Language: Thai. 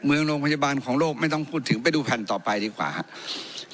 เมืองโรงพยาบาลของโลกไม่ต้องพูดถึงไปดูแผ่นต่อไปดีกว่าครับ